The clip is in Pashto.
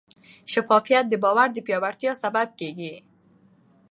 شفافیت د باور د پیاوړتیا سبب کېږي.